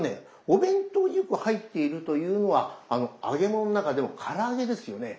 お弁当によく入っているというのは揚げ物の中でもから揚げですよね。